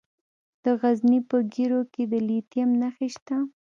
د غزني په ګیرو کې د لیتیم نښې شته.